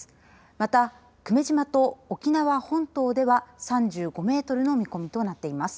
また、久米島と沖縄本島では３５メートルの見込みとなっています。